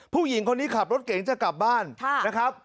ผู้หญิงคนนี้ขับรถเก๋งจะกลับบ้านนะครับ